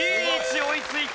追いついた。